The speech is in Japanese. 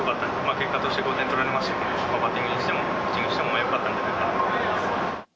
結果として５点取られましたけど、バッティングにしても、ピッチングにしてもよかったんではないかと思います。